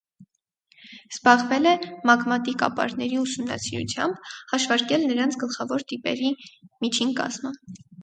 Զբաղվել է մագմատիկ ապարների ուսումնասիրությամբ, հաշվարկել նրանց գլխավոր տիպերի միջին կազմը։